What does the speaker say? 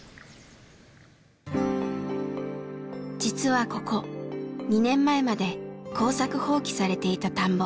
実はここ２年前まで「耕作放棄」されていた田んぼ。